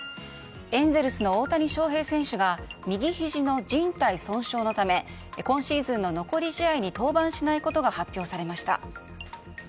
エンゼルスの大谷翔平選手が右ひじのじん帯損傷のため今シーズンの残り試合に登板しないことが発表されました。